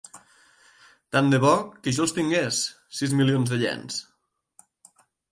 Tant de bo que jo els tingués, sis milions de iens!